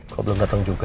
kau belum datang juga